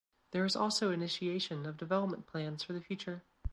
There is also initiation of development plans for the future.